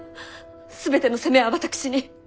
全ての責めは私に。